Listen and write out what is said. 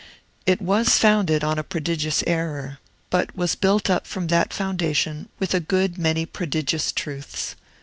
It was founded on a prodigious error, but was built up from that foundation with a good many prodigious truths.